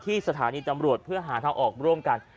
สถานีตำรวจเพื่อหาทางออกร่วมกัน